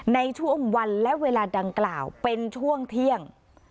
ในช่วงวันและเวลาดังกล่าวเป็นช่วงเที่ยง